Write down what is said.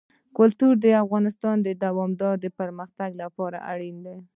کلتور د افغانستان د دوامداره پرمختګ لپاره اړین دي.